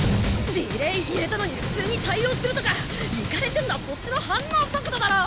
ディレイ入れたのに普通に対応するとかイカれてんのはそっちの反応速度だろ！